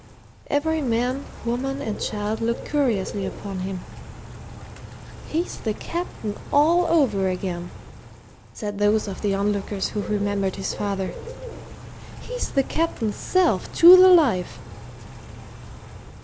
Every man, woman, and child looked curiously upon him. "He's the Captain over again!" said those of the on lookers who remembered his father. "He's the Captain's self, to the life!"